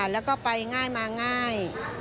แล้วก็ไปง่ายมาง่าย